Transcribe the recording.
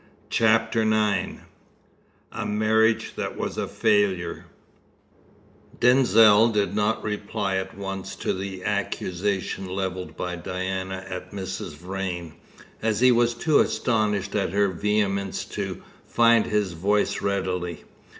CHAPTER IX A MARRIAGE THAT WAS A FAILURE Denzil did not reply at once to the accusation levelled by Diana at Mrs. Vrain, as he was too astonished at her vehemence to find his voice readily.